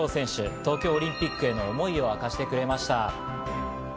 東京オリンピックへの思いをあかしてくれました。